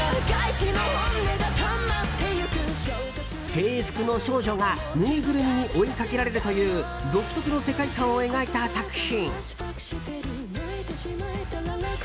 制服の少女が、ぬいぐるみに追いかけられるという独特の世界観を描いた作品。